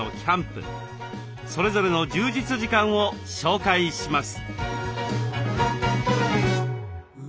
それぞれの充実時間を紹介します。